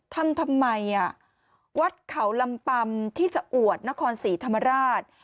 ทำทำไมวัดเขาลำปำที่จะอวดนครศรีธรรมราช